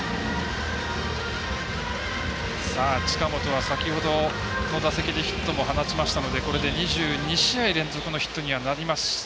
近本は先ほどの打席でヒットも放ちましたのでこれで２２試合連続のヒット。